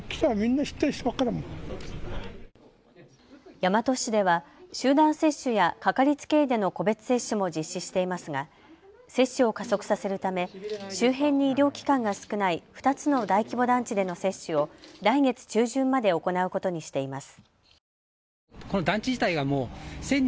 大和市では集団接種や掛かりつけ医での個別接種も実施していますが接種を加速させるため周辺に医療機関が少ない２つの大規模団地での接種を来月中旬まで行うことにしています。